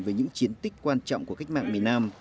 về những chiến tích quan trọng của cách mạng miền nam